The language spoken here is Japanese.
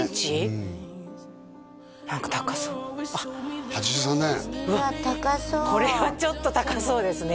うん何か高そう８３年高そうこれはちょっと高そうですね